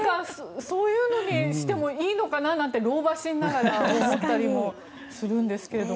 そういうのにしてもいいのかななんて老婆心ながら思ったりもするんですが。